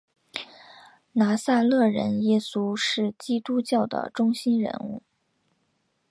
拿撒勒人耶稣是基督教的中心人物。